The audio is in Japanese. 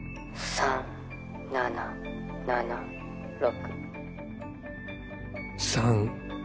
３７７６。